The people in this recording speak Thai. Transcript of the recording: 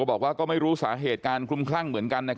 บอกว่าก็ไม่รู้สาเหตุการคลุมคลั่งเหมือนกัน